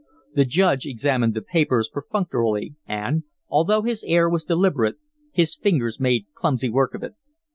The Judge examined the papers perfunctorily, and, although his air was deliberate, his fingers made clumsy work of it.